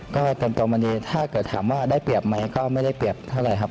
ก็ตรงวันนี้ถ้าเกิดถามว่าได้เปรียบไหมก็ไม่ได้เปรียบเท่าไหร่ครับ